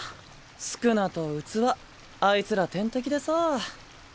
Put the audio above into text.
宿儺と器あいつら天敵でさ。